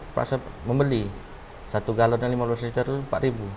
terpaksa membeli satu galon yang rp lima belas empat